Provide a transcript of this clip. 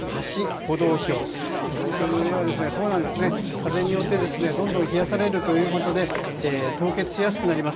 風によってどんどん冷やされて凍結しやすくなります。